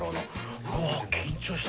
「うわ緊張した。